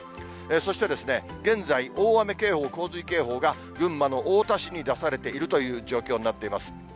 そして現在、大雨警報、洪水警報が、群馬の太田市に出されているという状況になっています。